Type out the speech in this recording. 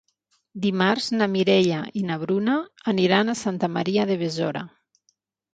Dimarts na Mireia i na Bruna aniran a Santa Maria de Besora.